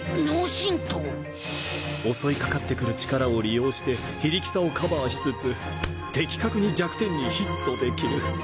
襲い掛かってくる力を利用して非力さをカバーしつつ的確に弱点にヒットできる。